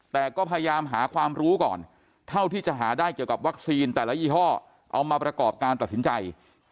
แต่ก็พยายามหาความรู้ก่อนเท่าที่จะหาได้เกี่ยวกับวัคซีนแต่ละยี่ห้อเอามาประกอบการตัดสินใจ